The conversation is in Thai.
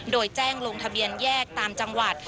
โดยแจ้งลงทะเบียนแยกตามจังหวัด